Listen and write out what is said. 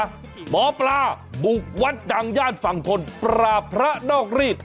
หมอปลาบุกวัดดังย่านฝั่งทนปราบพระนอกรีด